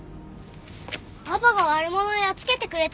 パパが悪者をやっつけてくれたんだよ！